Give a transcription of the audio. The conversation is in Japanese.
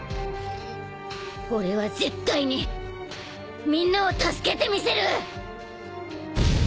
俺は絶対にみんなを助けてみせる！